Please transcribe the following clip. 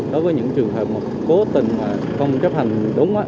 đối với những trường hợp mà cố tình mà không chấp hành đúng